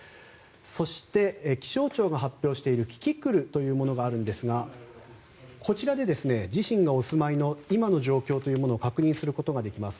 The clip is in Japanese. そして、気象庁が発表しているキキクルというものがあるんですがこちらで自身がお住まいの今の状況を確認することができます。